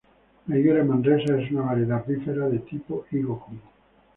La higuera 'Manresa' es una variedad "bífera" de tipo higo común.